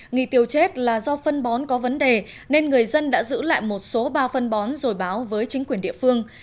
nghi tiêu chết là do phân bón có vấn đề nên người dân đã giữ lại một số bao phân bón rồi báo với chính quyền địa phương